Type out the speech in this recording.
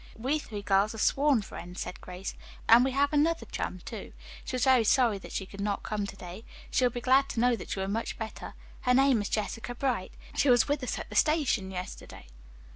"We three girls are sworn friends," said Grace, "and we have another chum, too. She was very sorry that she could not come to day. She will be glad to know that you are so much better. Her name is Jessica Bright. She was with us at the station yesterday."